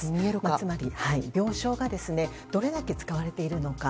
つまり病床がどれだけ使われているのか。